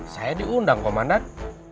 saya diundang komandan